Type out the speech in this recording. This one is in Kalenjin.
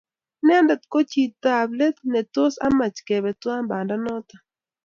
Inendet ko chit ab let netos amach kebe tuwai banda noto